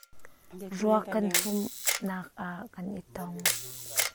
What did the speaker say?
Ruak kan humhnak ah kan i tong.